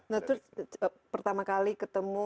nah terus pertama kali ketemu